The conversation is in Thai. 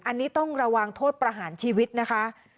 อันนี้ต้องระวังโทษประหารชีวิตนะคะ